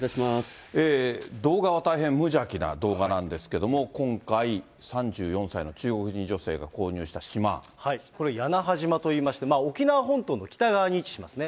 動画は大変無邪気な動画なんですけども、今回、３４歳の中国これ、屋那覇島といいまして、沖縄本島の北側に位置しますね。